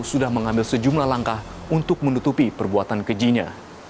sudah mengambil sejumlah langkah untuk menutupi perbuatan kejinya